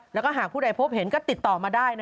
แล้วก็หากผู้ใดพบเห็นก็ติดต่อมาได้